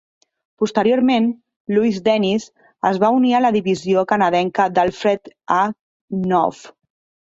Posteriorment, Louise Dennys es va unir a la divisió canadenca d'Alfred A. Knopf.